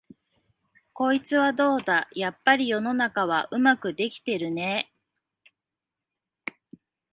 こいつはどうだ、やっぱり世の中はうまくできてるねえ、